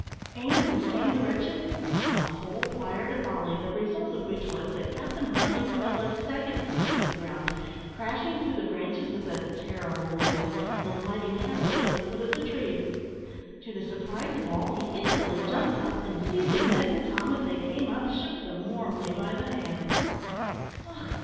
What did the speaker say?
aimed in the same direction, and the whole fired a volley, the result of which was, that Captain Bunting fell a second time to the ground, crashing through the branches with a terrible noise, and alighting heavily at the foot of the tree. To the surprise of all, he instantly jumped up, and seizing Ned and Tom as they came up, shook them warmly by the hand.